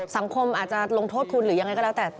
สังคมอาจจะลงโทษคุณหรือยังไงก็แล้วแต่